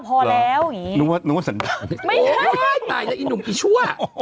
คนไม่แล้ว